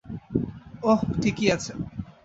ও ঠিকই আছে।